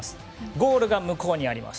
ゴールが向こうにあります。